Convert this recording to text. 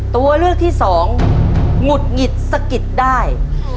ตัวเลือกที่สองหงุดหงิดสะกิดได้